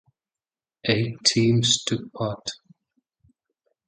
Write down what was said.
Eight teams took part.